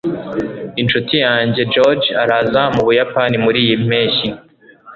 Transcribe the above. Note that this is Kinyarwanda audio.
inshuti yanjye george araza mu buyapani muriyi mpeshyi